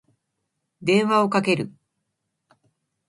電話をかける。